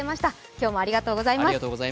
今日もありがとうございます。